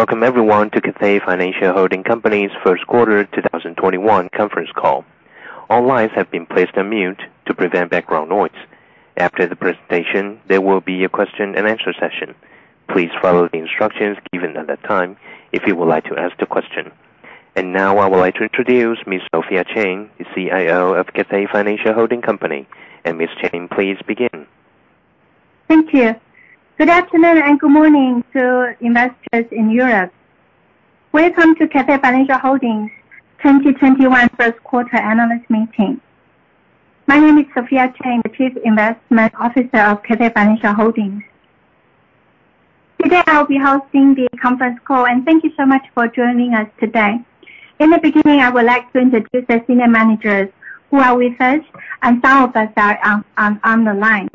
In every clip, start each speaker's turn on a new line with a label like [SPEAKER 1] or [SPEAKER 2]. [SPEAKER 1] Welcome everyone to Cathay Financial Holding Company's first quarter 2021 conference call. All lines have been placed on mute to prevent background noise. After the presentation, there will be a question and answer session. Please follow the instructions given at that time if you would like to ask the question. Now I would like to introduce Ms. Sophia Cheng, the CIO of Cathay Financial Holding Company. Ms. Cheng, please begin.
[SPEAKER 2] Thank you. Good afternoon and good morning to investors in Europe. Welcome to Cathay Financial Holdings 2021 first quarter analyst meeting. My name is Sophia Cheng, the Chief Investment Officer of Cathay Financial Holdings. Today I will be hosting the conference call, thank you so much for joining us today. In the beginning, I would like to introduce the senior managers who are with us and some of us are on the line.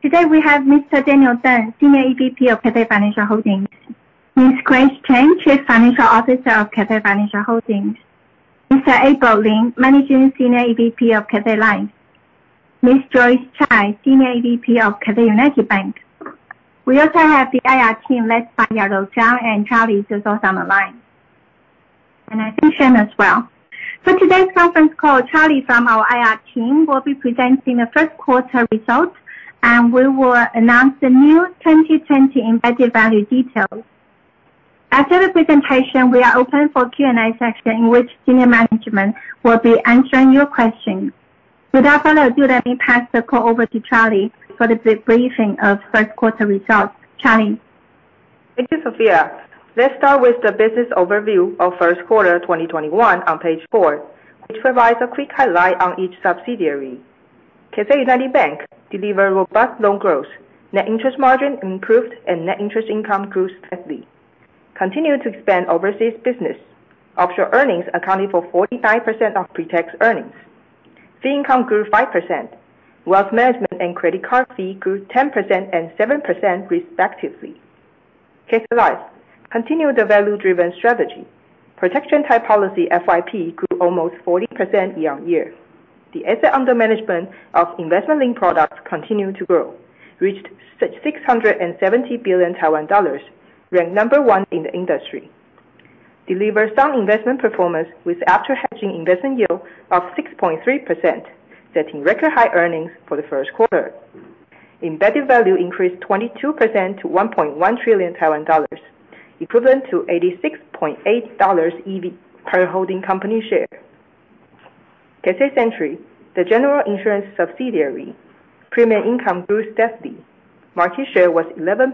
[SPEAKER 2] Today we have Mr. Daniel Teng, Senior EVP of Cathay Financial Holdings; Ms. Grace Chen, Chief Financial Officer of Cathay Financial Holdings; Mr. Abel Lin, Managing Senior EVP of Cathay Life; Ms. Joyce Tsai, Senior EVP of Cathay United Bank. We also have the IR team led by Yajou Chang and Charlie is also on the line. I think Shannon as well. For today's conference call, Charlie from our IR team will be presenting the first quarter results, we will announce the new 2020 embedded value details. After the presentation, we are open for Q&A session in which senior management will be answering your questions. Without further ado, let me pass the call over to Charlie for the briefing of first quarter results. Charlie?
[SPEAKER 3] Thank you, Sophia. Let's start with the business overview of first quarter 2021 on page four, which provides a quick highlight on each subsidiary. Cathay United Bank deliver robust loan growth, net interest margin improved, and net interest income grew steadily. Continue to expand overseas business. Offshore earnings accounted for 49% of pre-tax earnings. Fee income grew 5%. Wealth management and credit card fee grew 10% and 7% respectively. Cathay Life continue the value-driven strategy. Protection type policy FYP grew almost 40% year-over-year. The asset under management of investment-linked products continue to grow, reached 670 billion Taiwan dollars, ranked number one in the industry. Deliver strong investment performance with after hedging investment yield of 6.3%, setting record high earnings for the first quarter. Embedded value increased 22% to 1.1 trillion Taiwan dollars, equivalent to 86.8 dollars EV per holding company share. Cathay Century, the general insurance subsidiary, premium income grew steadily. Market share was 11%,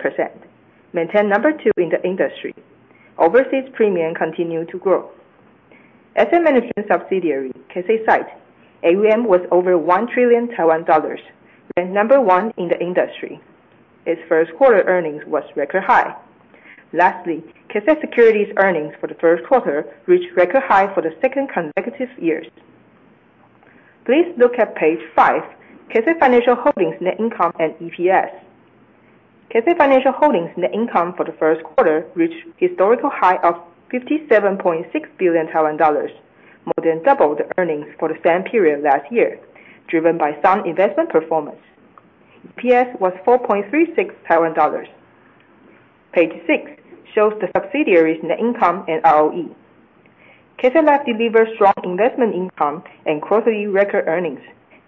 [SPEAKER 3] maintained number 2 in the industry. Overseas premium continued to grow. Asset management subsidiary, Cathay SITE, AUM was over 1 trillion Taiwan dollars, ranked number 1 in the industry. Its first quarter earnings was record high. Lastly, Cathay Securities earnings for the first quarter reached record high for the second consecutive years. Please look at page five, Cathay Financial Holding net income and EPS. Cathay Financial Holding net income for the first quarter reached historical high of 57.6 billion dollars, more than double the earnings for the same period last year, driven by strong investment performance. EPS was 4.36 Taiwan dollars. Page six shows the subsidiaries' net income and ROE. Cathay Life delivered strong investment income and quarterly record earnings,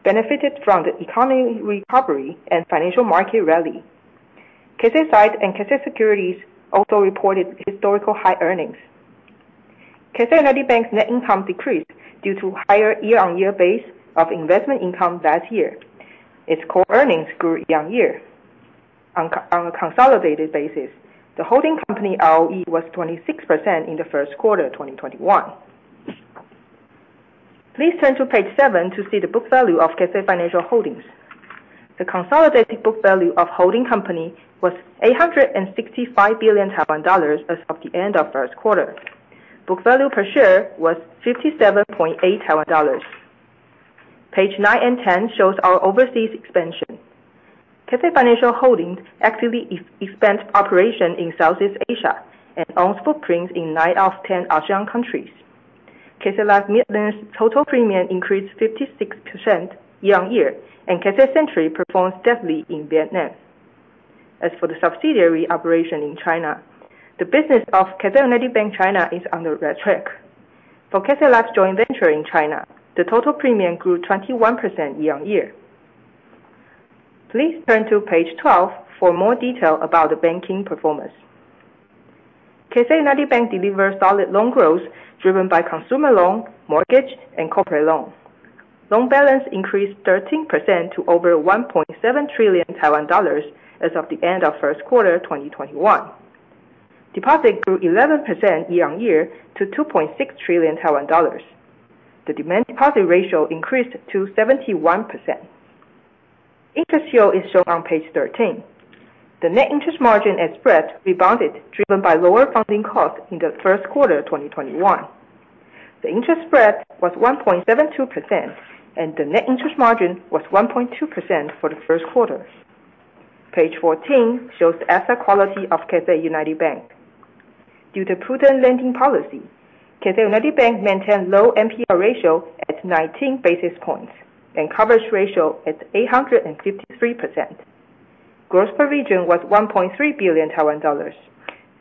[SPEAKER 3] benefited from the economy recovery and financial market rally. Cathay SITE and Cathay Securities also reported historical high earnings. Cathay United Bank's net income decreased due to higher year-on-year base of investment income last year. Its core earnings grew year-on-year. On a consolidated basis, the holding company ROE was 26% in the first quarter 2021. Please turn to page seven to see the book value of Cathay Financial Holding. The consolidated book value of holding company was 865 billion dollars as of the end of first quarter. Book value per share was 57.8 Taiwan dollars. Page 9 and 10 shows our overseas expansion. Cathay Financial Holding actively expands operation in Southeast Asia and owns footprints in 9 out of 10 ASEAN countries. Cathay Life Vietnam's total premium increased 56% year-on-year, and Cathay Century performed steadily in Vietnam. As for the subsidiary operation in China, the business of Cathay United Bank China is on the right track. For Cathay Life's joint venture in China, the total premium grew 21% year-on-year. Please turn to page 12 for more detail about the banking performance. Cathay United Bank delivered solid loan growth, driven by consumer loan, mortgage, and corporate loans. Loan balance increased 13% to over 1.7 trillion Taiwan dollars as of the end of first quarter 2021. Deposit grew 11% year-on-year to 2.6 trillion Taiwan dollars. The demand deposit ratio increased to 71%. Interest yield is shown on page 13. The net interest margin and spread rebounded, driven by lower funding costs in the first quarter 2021. The interest spread was 1.72%, and the net interest margin was 1.2% for the first quarter. Page 14 shows the asset quality of Cathay United Bank. Due to prudent lending policy, Cathay United Bank maintained low NPL ratio at 19 basis points, and coverage ratio at 853%. Gross provision was 1.3 billion Taiwan dollars,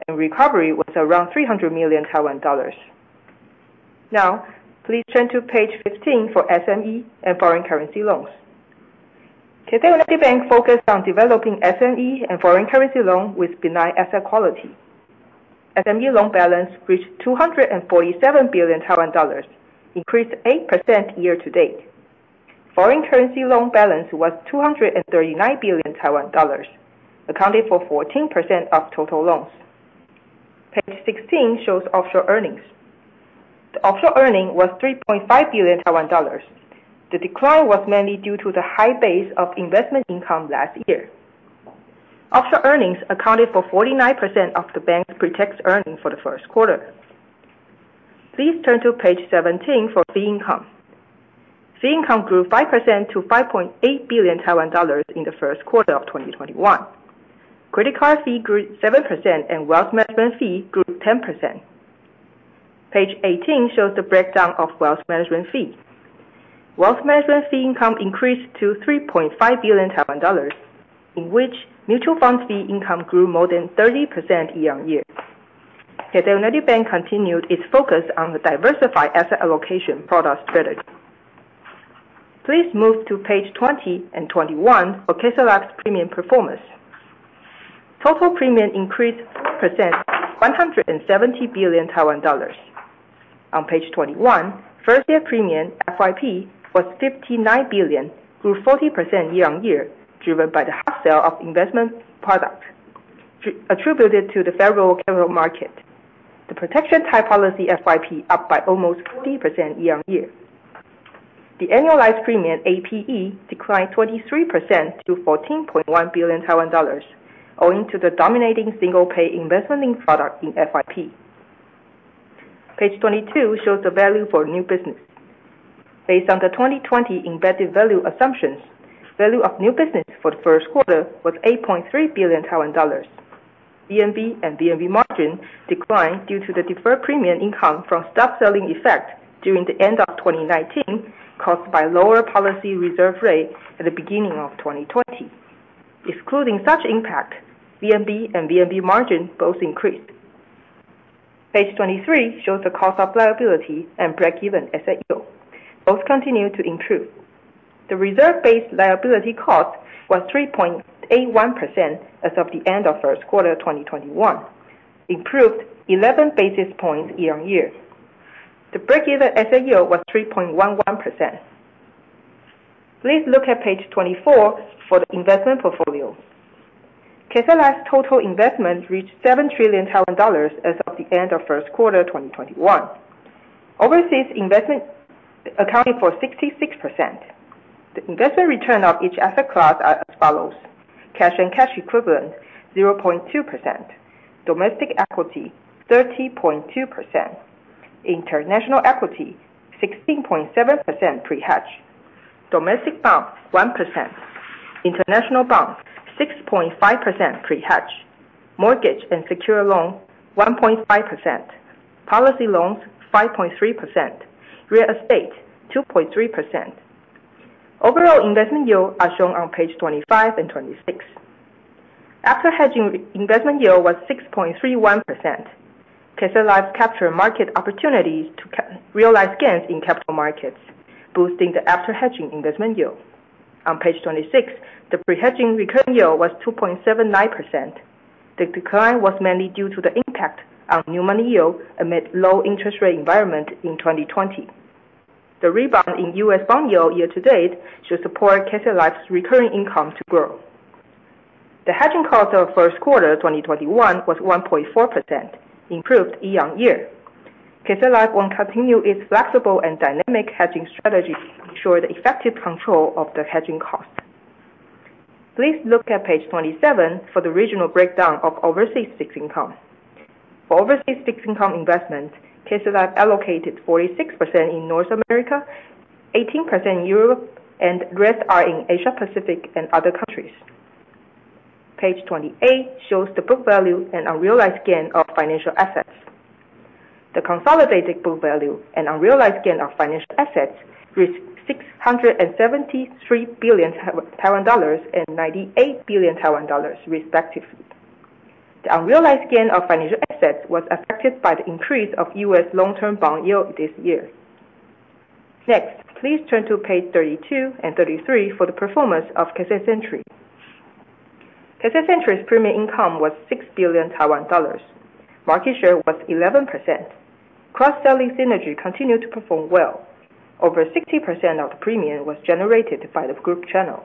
[SPEAKER 3] and recovery was around 300 million Taiwan dollars. Now, please turn to page 15 for SME and foreign currency loans. Cathay United Bank focused on developing SME and foreign currency loan with benign asset quality. SME loan balance reached 247 billion Taiwan dollars, increased 8% year-to-date. Foreign currency loan balance was 239 billion Taiwan dollars, accounting for 14% of total loans. Page 16 shows offshore earnings. The offshore earning was 3.5 billion Taiwan dollars. The decline was mainly due to the high base of investment income last year. Offshore earnings accounted for 49% of the bank's pre-tax earning for the first quarter. Please turn to page 17 for fee income. Fee income grew 5% to 5.8 billion Taiwan dollars in the first quarter of 2021. Credit card fee grew 7%. Wealth management fee grew 10%. Page 18 shows the breakdown of wealth management fee. Wealth management fee income increased to 3.5 billion Taiwan dollars, in which mutual fund fee income grew more than 30% year-on-year. Cathay United Bank continued its focus on the diversified asset allocation product strategy. Please move to page 20 and 21 for Cathay Life's premium performance. Total premium increased 4% to 170 billion Taiwan dollars. On page 21, first year premium, FYP, was 59 billion, grew 14% year-on-year, driven by the hot sale of investment product attributed to the favorable capital market. The protection type policy FYP up by almost 40% year-on-year. The annualized premium, APE, declined 23% to 14.1 billion Taiwan dollars, owing to the dominating single-pay investment-linked product in FYP. Page 22 shows the value for new business. Based on the 2020 embedded value assumptions, value of new business for the first quarter was 8.3 billion Taiwan dollars. VNB and VNB margin declined due to the deferred premium income from stock selling effect during the end of 2019, caused by lower policy reserve rate at the beginning of 2020. Excluding such impact, VNB and VNB margin both increased. Page 23 shows the cost of liability and break-even SAO. Both continued to improve. The reserve-based liability cost was 3.81% as of the end of first quarter 2021, improved 11 basis points year-on-year. The break-even SAO was 3.11%. Please look at page 24 for the investment portfolio. Cathay Life's total investment reached 7 trillion Taiwan dollars as of the end of first quarter 2021. Overseas investment accounted for 66%. The investment return of each asset class are as follows: cash and cash equivalent, 0.2%; domestic equity, 30.2%; international equity, 16.7% pre-hedge; domestic bond, 1%; international bond, 6.5% pre-hedge; mortgage and secured loan, 1.5%; policy loans, 5.3%; real estate, 2.3%. Overall investment yield are shown on page 25 and 26. After-hedging investment yield was 6.31%. Cathay Life capture market opportunities to realize gains in capital markets, boosting the after-hedging investment yield. On page 26, the pre-hedging recurring yield was 2.79%. The decline was mainly due to the impact on new money yield amid low interest rate environment in 2020. The rebound in U.S. bond yield year-to-date should support Cathay Life's recurring income to grow. The hedging cost of first quarter 2021 was 1.4%, improved year-on-year. Cathay Life will continue its flexible and dynamic hedging strategy to ensure the effective control of the hedging cost. Please look at page 27 for the regional breakdown of overseas fixed income. For overseas fixed income investment, Cathay Life allocated 46% in North America, 18% in Europe. The rest are in Asia Pacific and other countries. Page 28 shows the book value and unrealized gain of financial assets. The consolidated book value and unrealized gain of financial assets reached 673 billion Taiwan dollars and 98 billion Taiwan dollars respectively. The unrealized gain of financial assets was affected by the increase of U.S. long-term bond yield this year. Next, please turn to page 32 and 33 for the performance of Cathay Century. Cathay Century's premium income was 6 billion Taiwan dollars. Market share was 11%. Cross-selling synergy continued to perform well. Over 60% of the premium was generated by the group channel.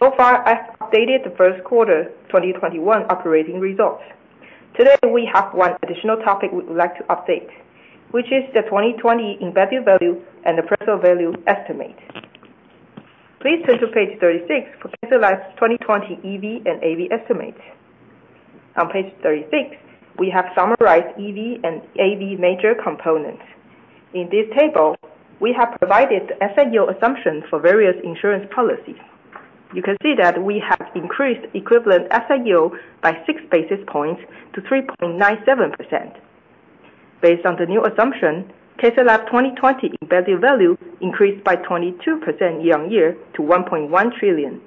[SPEAKER 3] So far, I've updated the first quarter 2021 operating results. Today, we have one additional topic we would like to update, which is the 2020 embedded value and the AV estimate. Please turn to page 36 for Cathay Life's 2020 EV and AV estimates. On page 36, we have summarized EV and AV major components. In this table, we have provided the SAO assumption for various insurance policies. You can see that we have increased equivalent FSO by six basis points to 3.97%. Based on the new assumption, Cathay Life 2020 embedded value increased by 22% year-on-year to 1.1 trillion,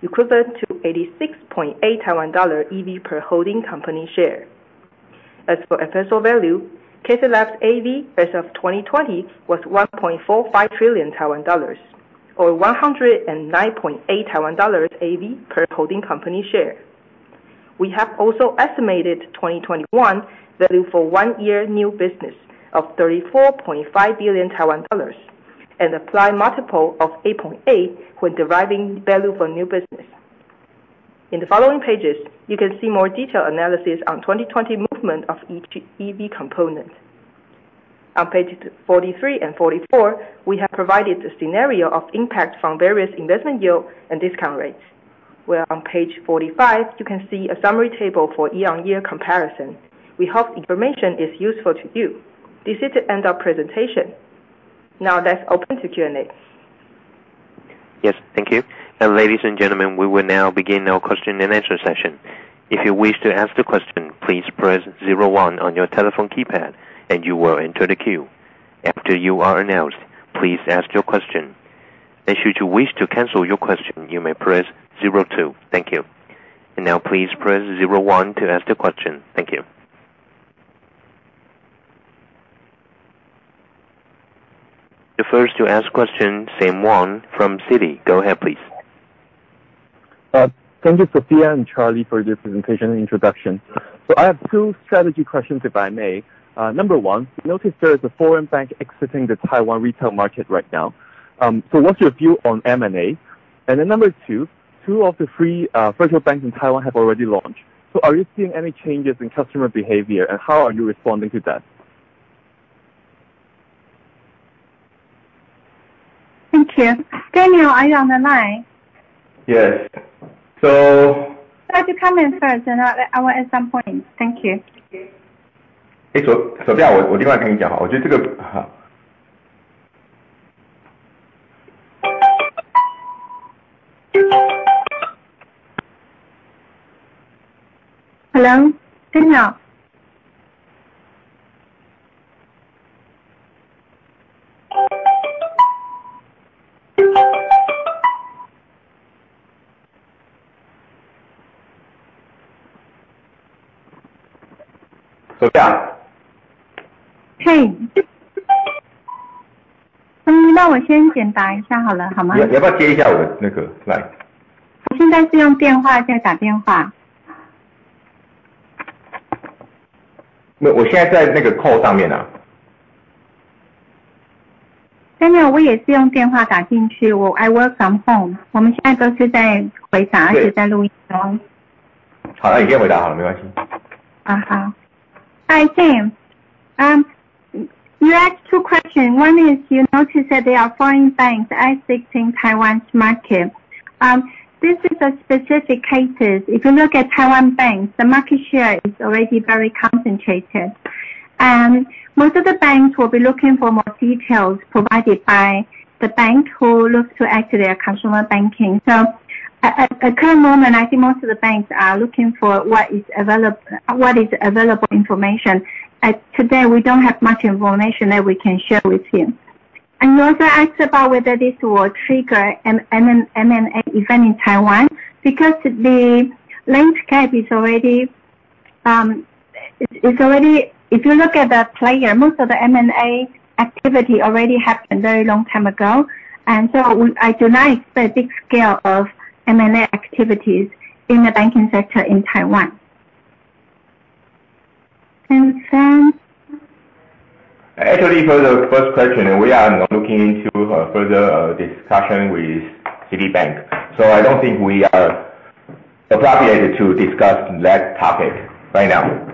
[SPEAKER 3] equivalent to 86.8 Taiwan dollar EV per holding company share. As for FSO value, Cathay Life's AV as of 2020 was 1.45 trillion Taiwan dollars, or 109.8 Taiwan dollars AV per holding company share. We have also estimated 2021 value for one-year new business of 34.5 billion Taiwan dollars and apply multiple of 8.8x when deriving value for new business. In the following pages, you can see more detailed analysis on 2020 movement of each EV component. On page 43 and 44, we have provided a scenario of impact from various investment yield and discount rates, where on page 45, you can see a summary table for year-on-year comparison. We hope the information is useful to you. This is the end of presentation. Let's open to Q&A.
[SPEAKER 1] Yes. Thank you. Ladies and gentlemen, we will now begin our question and answer session. If you wish to ask the question, please press zero one on your telephone keypad and you will enter the queue. After you are announced, please ask your question. Should you wish to cancel your question, you may press zero two. Thank you. Please press zero one to ask the question. Thank you. The first to ask question, Sam Wan from Citi. Go ahead, please.
[SPEAKER 4] Thank you, Sophia and Charlie, for your presentation and introduction. I have two strategy questions, if I may. Number 1, notice there is a foreign bank exiting the Taiwan retail market right now. What's your view on M&A? Number 2, two of the three virtual banks in Taiwan have already launched. Are you seeing any changes in customer behavior, and how are you responding to that?
[SPEAKER 3] Thank you. Daniel, are you on the line?
[SPEAKER 5] Yes.
[SPEAKER 2] Why don't you comment first, and I will at some point. Thank you. Hello? Daniel? Hi, Sam. You asked two questions. One is you notice that there are foreign banks exiting Taiwan's market. This is a specific case. If you look at Taiwan banks, the market share is already very concentrated. Most of the banks will be looking for more details provided by the bank who looks to exit their consumer banking. At current moment, I think most of the banks are looking for what is available information. Today, we don't have much information that we can share with you. You also asked about whether this will trigger an M&A event in Taiwan, because the landscape is already If you look at the player, most of the M&A activity already happened very long time ago, I do not expect big scale of M&A activities in the banking sector in Taiwan. Sam?
[SPEAKER 5] Actually, for the first question, we are looking into a further discussion with Citibank. I don't think we are appropriate to discuss that topic right now.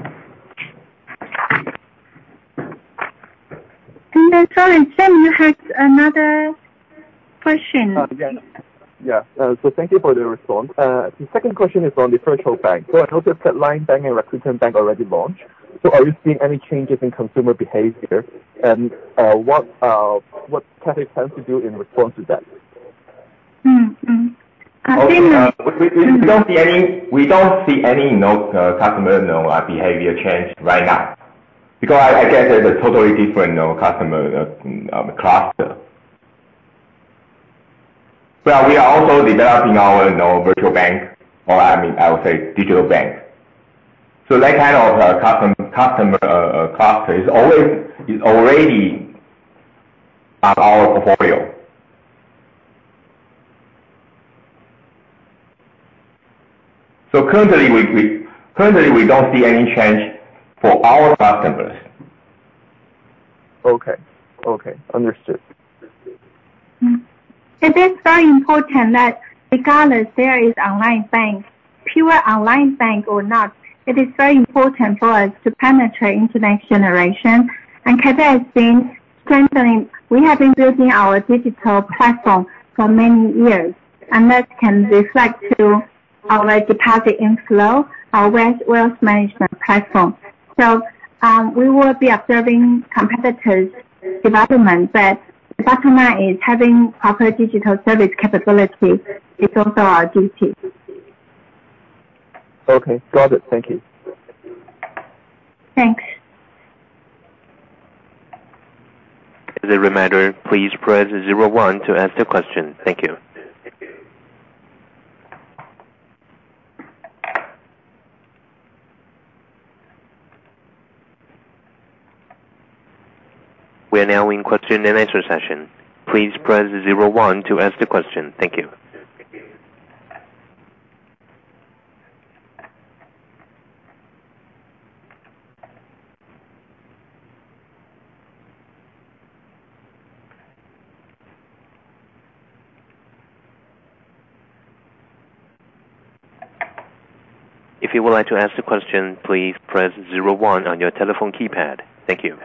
[SPEAKER 2] Sorry, Sam, you had another question.
[SPEAKER 4] Thank you for the response. The second question is on the virtual bank. I noticed that LINE Bank and Rakuten Bank already launched. Are you seeing any changes in consumer behavior, and what Cathay plans to do in response to that?
[SPEAKER 2] Mm. I think-
[SPEAKER 5] We don't see any customer behavior change right now, because I guess there's a totally different customer cluster. Well, we are also developing our virtual bank, or I would say digital bank. That kind of customer cluster is already on our portfolio. Currently, we don't see any change for our customers.
[SPEAKER 4] Okay. Understood.
[SPEAKER 2] It is very important that regardless there is online bank, pure online bank or not, it is very important for us to penetrate into next generation. Cathay has been building our digital platform for many years, and that can reflect to our deposit inflow, our wealth management platform We will be observing competitors' development, but the customer is having proper digital service capability is also our duty.
[SPEAKER 4] Okay, got it. Thank you.
[SPEAKER 2] Thanks.
[SPEAKER 1] As a reminder, please press 01 to ask the question. Thank you. We are now in question and answer session. Please press 01 to ask the question. Thank you. If you would like to ask the question, please press 01 on your telephone keypad. Thank you.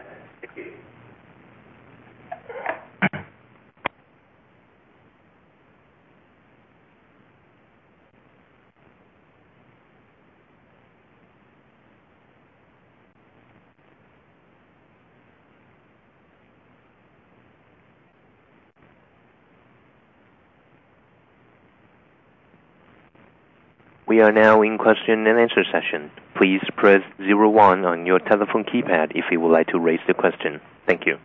[SPEAKER 1] We are now in question and answer session. Please press 01 on your telephone keypad if you would like to raise the question. Thank you.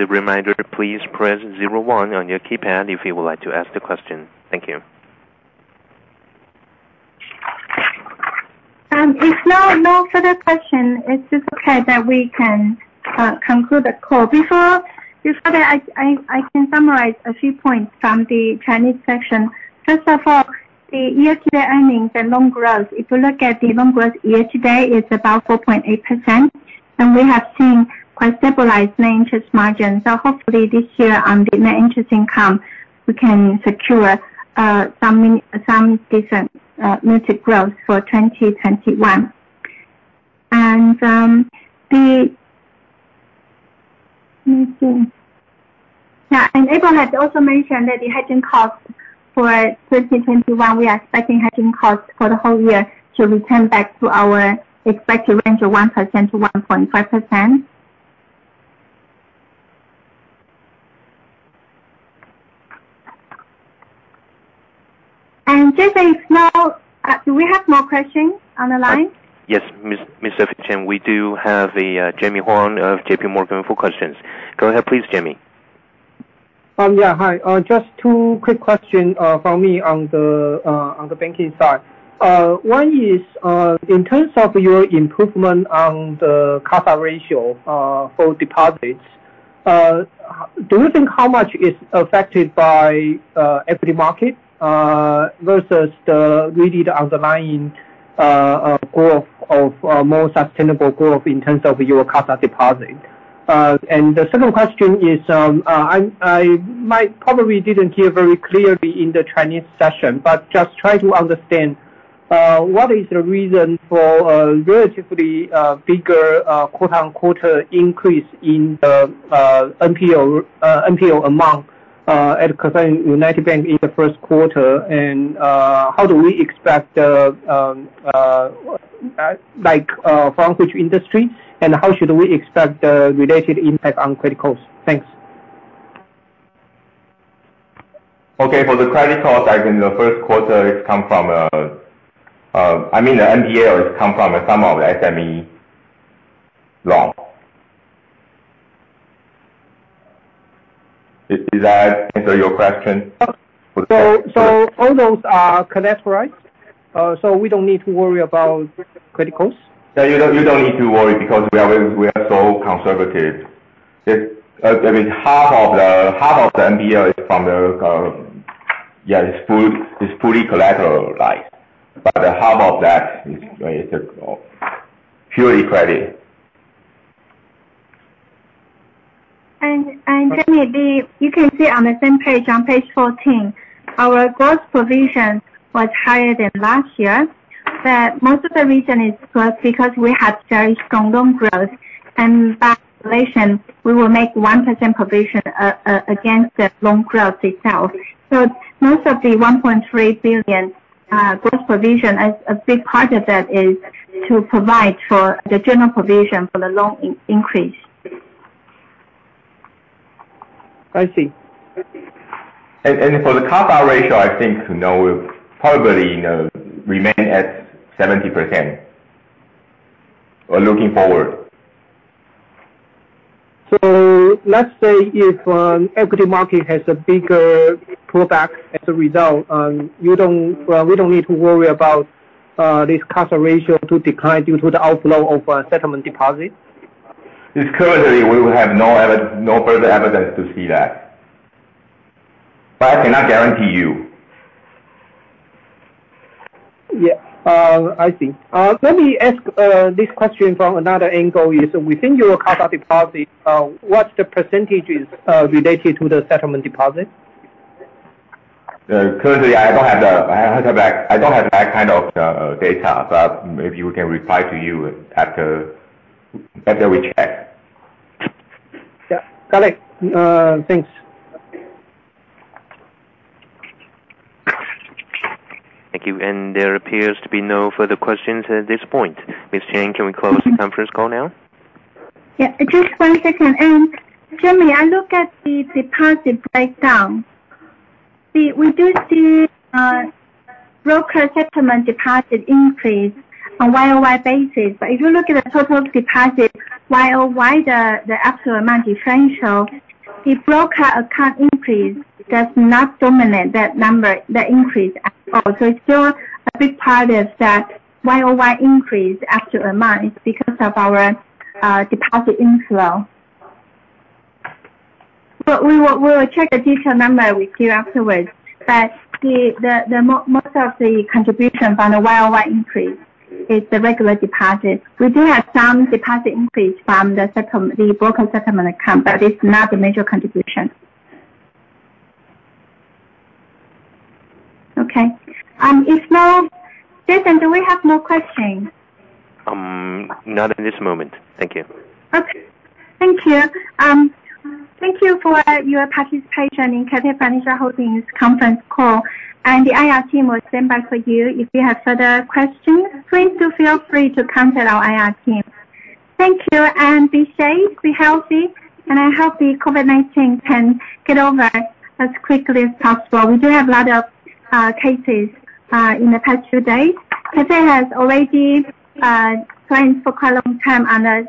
[SPEAKER 1] As a reminder, please press 01 on your keypad if you would like to ask the question. Thank you.
[SPEAKER 2] If no further question, it is okay that we can conclude the call. Before that, I can summarize a few points from the Chinese session. The year-to-date earnings and loan growth. If you look at the loan growth year-to-date, it is about 4.8%, we have seen quite stabilized net interest margin. Hopefully this year on the net interest income, we can secure some decent noted growth for 2021. Let me see. Now, Abraham has also mentioned that the hedging cost for 2021, we are expecting hedging costs for the whole year to return back to our expected range of 1%-1.5%. Do we have more questions on the line?
[SPEAKER 1] Yes, Ms. Vivian, we do have Jamie Huang of JP Morgan for questions. Go ahead please, Jamie.
[SPEAKER 6] Hi. Just two quick questions from me on the banking side. One is, in terms of your improvement on the CASA ratio for deposits, do you think how much is affected by equity market versus the really underlying growth of more sustainable growth in terms of your CASA deposit? The second question is, I probably didn't hear very clearly in the Chinese session, but just try to understand, what is the reason for a relatively bigger quarter-on-quarter increase in the NPL amount at Cathay United Bank in the first quarter? How do we expect from which industry, and how should we expect the related impact on credit costs? Thanks.
[SPEAKER 5] Okay. For the credit cost back in the first quarter, the NPL came from some of the SME loan. Did that answer your question?
[SPEAKER 6] All those are collateralized? We don't need to worry about credit costs?
[SPEAKER 5] You don't need to worry because we are so conservative. Half of the NPL is fully collateralized, but half of that is purely credit.
[SPEAKER 2] Jamie, you can see on the same page, on page 14, our gross provisions was higher than last year. Most of the reason is because we had very strong loan growth, and by regulation, we will make 1% provision against the loan growth itself. Most of the 1.3 billion gross provision, a big part of that is to provide for the general provision for the loan increase.
[SPEAKER 6] I see.
[SPEAKER 5] For the CASA ratio, I think probably remain at 70% looking forward.
[SPEAKER 6] Let's say if equity market has a bigger pullback as a result, we don't need to worry about this CASA ratio to decline due to the outflow of settlement deposit?
[SPEAKER 5] Currently, we have no further evidence to see that, I cannot guarantee you
[SPEAKER 6] Yeah. I see. Let me ask this question from another angle. Within your current deposit, what's the percentage related to the settlement deposit?
[SPEAKER 5] Currently, I don't have that kind of data, maybe we can reply to you after we check.
[SPEAKER 6] Yeah. Got it. Thanks.
[SPEAKER 1] Thank you. There appears to be no further questions at this point. Ms. Chen, can we close the conference call now?
[SPEAKER 2] Just one second. Jamie, I look at the deposit breakdown. We do see broker settlement deposit increase on year-over-year basis. If you look at the total deposit, year-over-year, the absolute amount differential, the broker account increase does not dominate that number, the increase at all. It's still a big part of that year-over-year increase actual amount is because of our deposit inflow. We will check the detailed number with you afterwards. Most of the contribution from the year-over-year increase is the regular deposit. We do have some deposit increase from the broker settlement account, but it's not the major contribution. Okay. If not, Jason, do we have more questions?
[SPEAKER 1] Not at this moment. Thank you.
[SPEAKER 2] Okay. Thank you. Thank you for your participation in Cathay Financial Holding's conference call, and the IR team will stand by for you. If you have further questions, please do feel free to contact our IR team. Thank you, and be safe, be healthy, and I hope the COVID-19 can get over as quickly as possible. We do have a lot of cases in the past few days. Cathay has already planned for quite a long time on a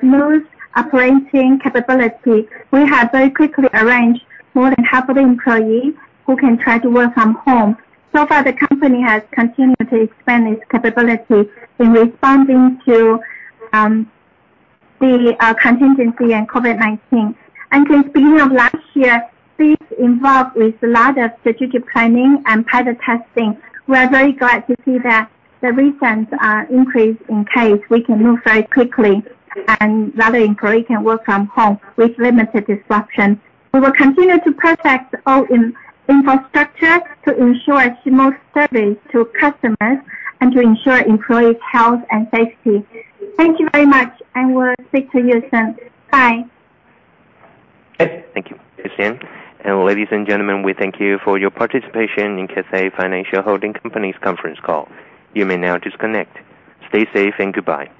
[SPEAKER 2] smooth operating capability. We have very quickly arranged more than half of the employees who can try to work from home. So far, the company has continued to expand its capability in responding to the contingency and COVID-19. Since beginning of last year, teams involved with a lot of strategic planning and pilot testing. We are very glad to see that the recent increase in case, we can move very quickly and a lot of employees can work from home with limited disruption. We will continue to protect all infrastructure to ensure seamless service to customers and to ensure employees' health and safety. Thank you very much. We'll speak to you soon. Bye.
[SPEAKER 1] Okay. Thank you, Ms. Chen. Ladies and gentlemen, we thank you for your participation in Cathay Financial Holding Company's conference call. You may now disconnect. Stay safe and goodbye.